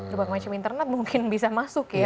berbagai macam internet mungkin bisa masuk ya